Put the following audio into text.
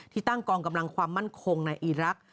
ที่ตั้งกองกำลังความมั่นคงในอีรักษ์